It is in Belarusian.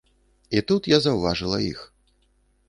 І тут я заўважыла іх.